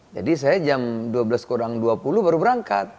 jadi saya jam dua belas kurang dua puluh baru berangkat